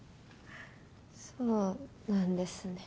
そうなんですね。